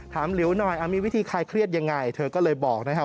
หลิวหน่อยมีวิธีคลายเครียดยังไงเธอก็เลยบอกนะครับ